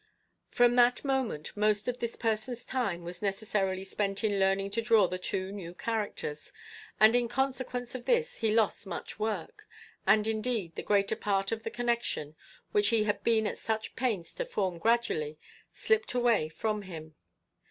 From that moment most of this person's time was necessarily spent in learning to draw the two new characters, and in consequence of this he lost much work, and, indeed, the greater part of the connexion which he had been at such pains to form gradually slipped away from him.